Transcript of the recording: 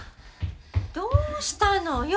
どうしたのよ？